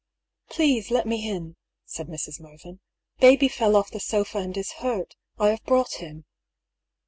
" Please, let me in," said Mrs. Mervyn. " Baby fell off the sofa and is hurt. I have brought him."